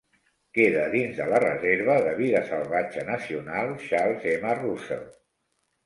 Queda dins de la Reserva de vida salvatge nacional Charles M. Russell.